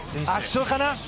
圧勝かな？